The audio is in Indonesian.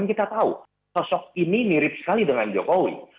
kita tahu sosok ini mirip sekali dengan jokowi